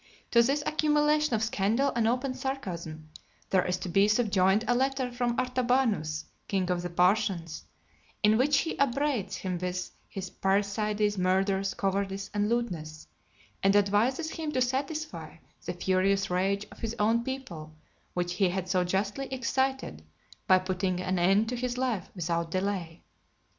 To this accumulation of scandal and open sarcasm, there is to be subjoined a letter from Artabanus, king of the Parthians, in which he upbraids him with his parricides, murders, cowardice, and lewdness, and advises him to satisfy the furious rage of his own people, which he had so justly excited, by putting an end to his life without delay.